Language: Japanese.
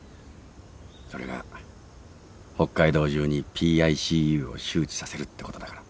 それが北海道中にＰＩＣＵを周知させるってことだから。